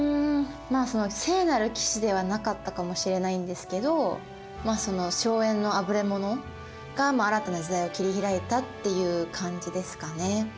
まあその聖なる騎士ではなかったかもしれないんですけど荘園のあぶれ者が新たな時代を切り開いたっていう感じですかね。